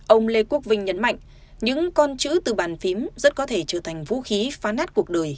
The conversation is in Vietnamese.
ông lê quốc vinh nhấn mạnh những con chữ từ bàn phím rất có thể trở thành vũ khí phán nát cuộc đời